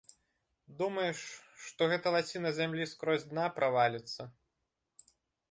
Думаеш, што гэта лаціна зямлі скрозь дна праваліцца?